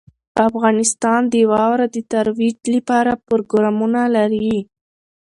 افغانستان د واوره د ترویج لپاره پروګرامونه لري.